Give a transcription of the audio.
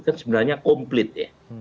kan sebenarnya komplit ya